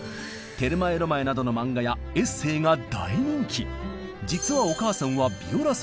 「テルマエ・ロマエ」などの漫画やエッセーが大人気。